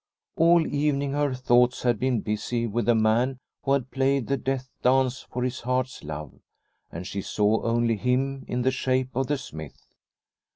All evening her thoughts had been busy with the man who had played the death dance for his heart's love, and she saw only him in the shape of the smith.